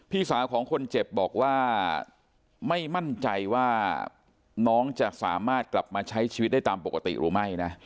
พี่สาวของคนเจ็บบอกว่าไม่มั่นใจว่าน้องจะสามารถกลับมาใช้ชีวิตได้ตามปกติหรือไม่นะ